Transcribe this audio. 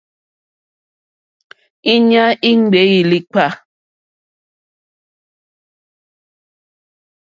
Íɲa í ŋɡbèé líǐpkà.